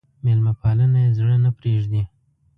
مېلمه پالنه يې زړه نه پرېږدي.